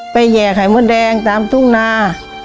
แห่ไข่มดแดงตามทุ่งนา